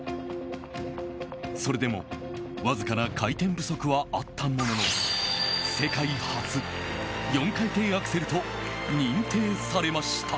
それでもわずかな回転不足はあったものの世界初、４回転アクセルと認定されました。